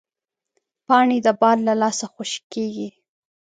پاڼې د باد له لاسه خوشې کېږي